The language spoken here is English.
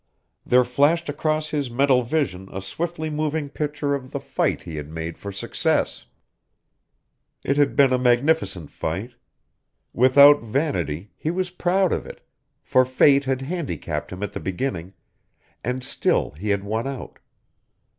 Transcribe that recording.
There flashed across his mental vision a swiftly moving picture of the fight he had made for success. It had been a magnificent fight. Without vanity he was proud of it, for fate had handicapped him at the beginning, and still he had won out.